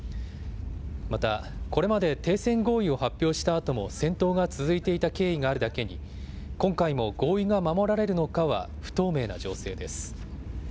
また、これまで停戦合意を発表したあとも戦闘が続いていた経緯があるだけに、今回も合意が守られるのかは不透明な情勢です。